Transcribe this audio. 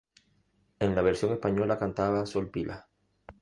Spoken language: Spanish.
En la versión española cantaba Sol Pilas.